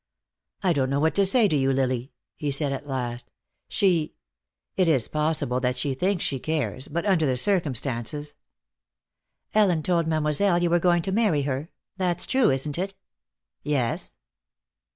"I don't know what to say to you, Lily," he said, at last. "She it is possible that she thinks she cares, but under the circumstances " "Ellen told Mademoiselle you were going to marry her. That's true, isn't it?" "Yes."